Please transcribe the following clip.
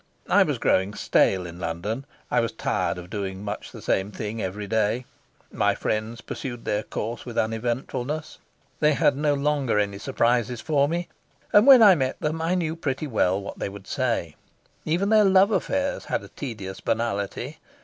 I was growing stale in London. I was tired of doing much the same thing every day. My friends pursued their course with uneventfulness; they had no longer any surprises for me, and when I met them I knew pretty well what they would say; even their love affairs had a tedious banality.